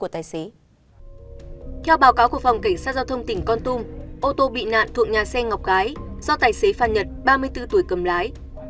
theo báo cáo của phòng cảnh sát giao thông tỉnh con tum ô tô bị nạn thuộc nhà xe ngọc gái do tài xế phan nhật ba mươi bốn tuổi cầm lái